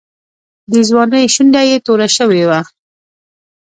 د ځوانۍ شونډه یې توره شوې وه.